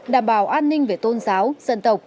đảm bảo an ninh về tôn giáo dân tộc